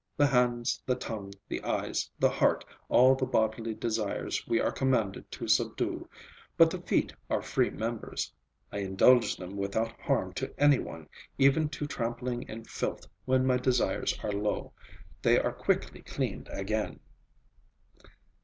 The hands, the tongue, the eyes, the heart, all the bodily desires we are commanded to subdue; but the feet are free members. I indulge them without harm to any one, even to trampling in filth when my desires are low. They are quickly cleaned again."